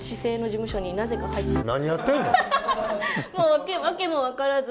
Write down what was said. もう訳も分からず。